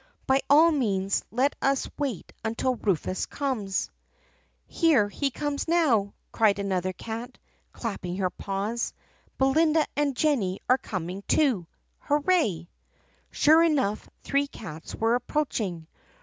By all means let us wait until Rufus comes.' " 'Here he comes now!' cried another cat, clapping her paws. 'Belinda and Jenny are coming too! Hooray!' "Sure enough, three cats were approaching.